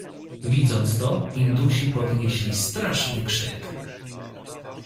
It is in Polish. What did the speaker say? "Widząc to, indusi podnieśli straszny krzyk."